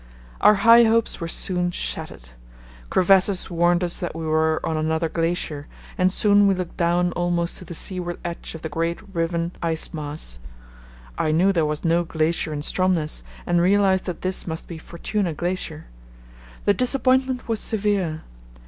Our high hopes were soon shattered. Crevasses warned us that we were on another glacier, and soon we looked down almost to the seaward edge of the great riven ice mass. I knew there was no glacier in Stromness and realized that this must be Fortuna Glacier. The disappointment was severe.